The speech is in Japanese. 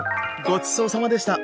ごちそうさまでした。